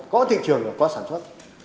có thị trường là có sản xuất